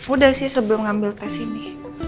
udah sih sebelum ngambil tes ini